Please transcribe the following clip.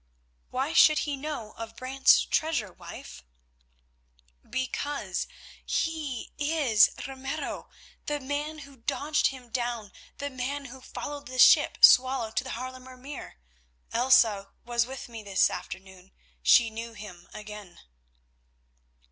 "Why should he know of Brant's treasure, wife?" "Because he is Ramiro, the man who dogged him down, the man who followed the ship Swallow to the Haarlemer Meer. Elsa was with me this afternoon, she knew him again."